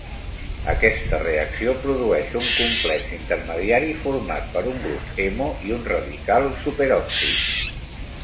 Aquesta reacció produeix un complex intermediari format per un grup hemo i un radical superòxid.